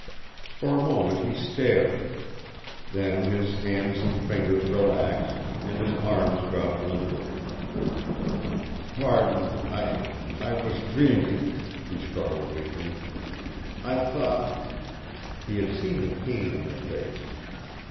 For a moment he stared; then his hands and fingers relaxed, and his arms dropped limply. "Pardon I I was dreaming," he struggled weakly. "I thought " He had seen the pain in her face.